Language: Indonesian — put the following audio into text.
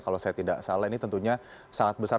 kalau saya tidak salah ini tentunya sangat besar